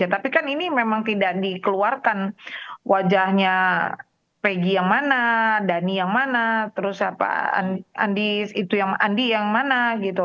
tapi kan ini memang tidak dikeluarkan wajahnya peggy yang mana dhani yang mana terus ya pak andi yang mana gitu